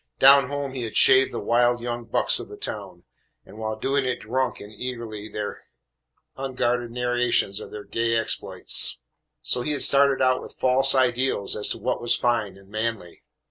Down home he had shaved the wild young bucks of the town, and while doing it drunk in eagerly their unguarded narrations of their gay exploits. So he had started out with false ideals as to what was fine and manly.